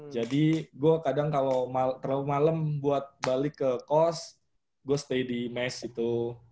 jadi gue kadang kalau terlalu malem buat balik ke kos gue stay di mes gitu